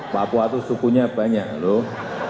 papua itu sukunya banyak loh